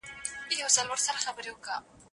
سل ځله مي خبر کړل چي راغلی دی توپان